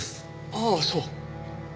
ああそう。